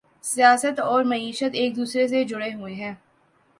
سیاست اور معیشت ایک دوسرے سے جڑے ہوئے ہیں